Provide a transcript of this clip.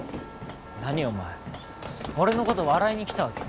何お前俺のこと笑いに来たわけ？